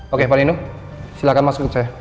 oke pak nino silakan masuk ke saya